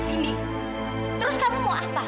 indi terus kamu mau apa